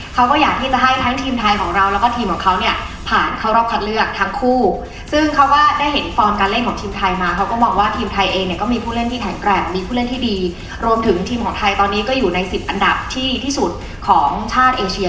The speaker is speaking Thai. สวัสดีครับรับรักไหมครับแข่งผู้ไม่เกลียดรับสื่อเมืองโชว์ที่รับสื่อเมืองโชว์ที่ไทย